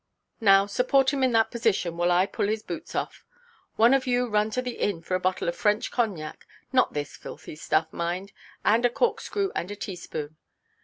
"Now, support him in that position, while I pull his boots off. One of you run to the inn for a bottle of French cognac—not this filthy stuff, mind—and a corkscrew and a teaspoon.